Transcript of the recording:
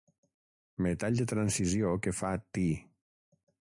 Metall de transició que fa Ti.